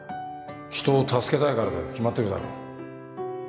人を助けたいからだよ決まってるだろ。